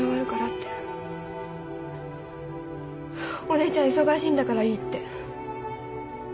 「お姉ちゃん忙しいんだからいい」って。